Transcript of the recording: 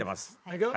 いくよ。